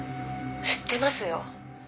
「知ってますよ」